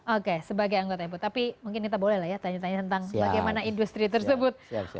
oke sebagai anggota ibu tapi mungkin kita boleh lah ya tanya tanya tentang bagaimana industri tersebut